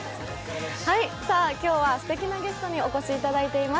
今日はすてきなゲストにお越しいただいています。